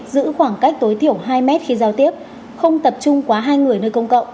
giữ khoảng cách tối thiểu hai mét khi giao tiếp không tập trung quá hai người nơi công cộng